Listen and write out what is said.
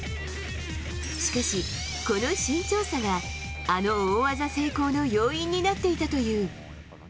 しかし、この身長差が、あの大技成功の要因になっていたという。